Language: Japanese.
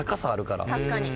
確かに。